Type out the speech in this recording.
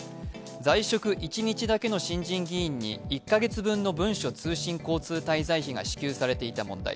在職１日だけの新人議員に１カ月分の文書通信交通滞在費が支給されていた問題。